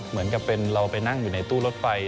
เหมือนกับเป็นเราไปนั่งอยู่ในตู้รถไฟ